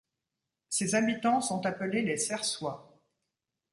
Ses habitants sont appelés les Sersois.